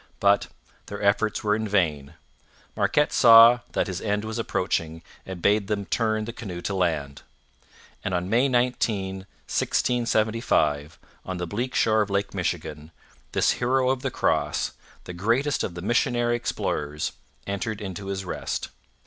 But their efforts were in vain; Marquette saw that his end was approaching and bade them turn the canoe to land. And on May 19, 1675, on the bleak shore of Lake Michigan, this hero of the Cross, the greatest of the missionary explorers, entered into his rest.